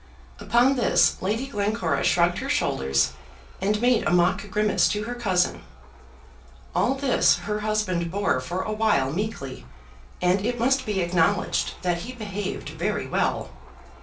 Upon this, Lady Glencora shrugged her shoulders, and made a mock grimace to her cousin. All this her husband bore for a while meekly, and it must be acknowledged that he behaved very well.